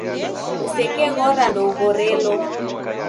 Usekeghora ndoughorelo